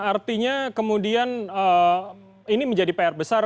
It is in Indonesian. artinya kemudian ini menjadi pr besar